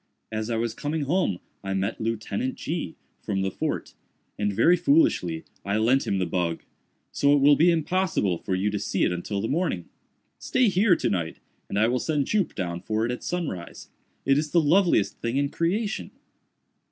As I was coming home I met Lieutenant G——, from the fort, and, very foolishly, I lent him the bug; so it will be impossible for you to see it until the morning. Stay here to night, and I will send Jup down for it at sunrise. It is the loveliest thing in creation!"